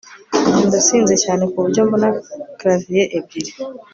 Ndasinze cyane kuburyo mbona clavier ebyiri